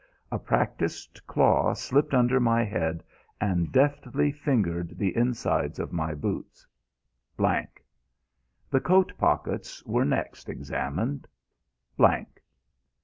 A practised claw slipped under my head and deftly fingered the insides of my boots: Blank. The coat pockets were next examined: Blank.